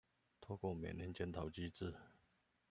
透過每年檢討機制